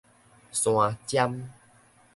山尖